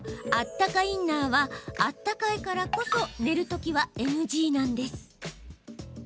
あったかインナーはあったかいからこそ寝るときはＮＧなんです。